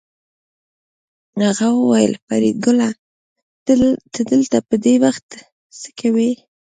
هغه وویل فریدګله ته دلته په دې وخت څه کوې